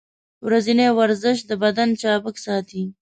ورځنی ورزش د بدن چابک ساتي.